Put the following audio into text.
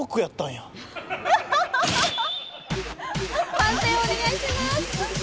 判定をお願いします。